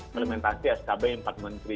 implementasi skb empat menteri